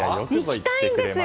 行きたいんですよ！